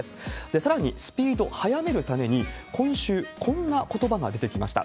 さらに、スピードを速めるために、今週、こんなことばが出てきました。